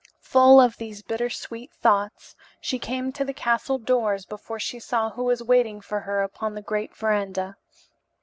Full of these bitter sweet thoughts she came to the castle doors before she saw who was waiting for her upon the great verandah.